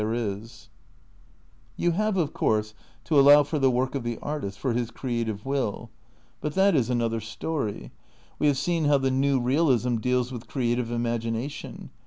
n THE CEITICAL PEEPARATIONS 35 You have of course, to allow for tlie work of the artist, for his creative will. But that is another story. We have seen how the new realism deals with creative imagination.